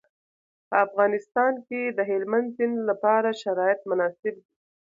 په افغانستان کې د هلمند سیند لپاره شرایط مناسب دي.